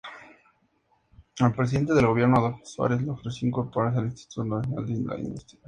El presidente del gobierno, Adolfo Suárez, le ofreció incorporarse al Instituto Nacional de Industria.